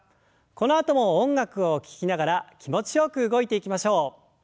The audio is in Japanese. このあとも音楽を聞きながら気持ちよく動いていきましょう。